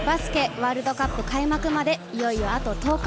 ワールドカップ開幕まで、いよいよあと１０日。